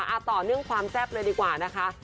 ต่อเนื่องความแซ่บเลยดีกว่านะคะ